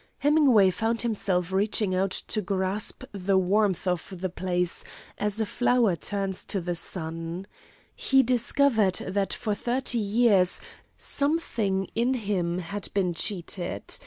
Hemingway found himself reaching out to grasp the warmth of the place as a flower turns to the sun. He discovered that for thirty years something in him had been cheated.